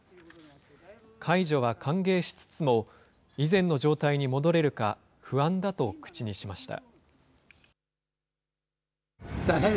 解除は歓迎しつつも、以前の状態に戻れるか不安だと口にしました。